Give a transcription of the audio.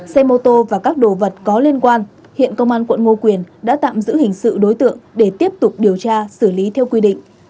xe mô tô và các đồ vật có liên quan hiện công an quận ngô quyền đã tạm giữ hình sự đối tượng để tiếp tục điều tra xử lý theo quy định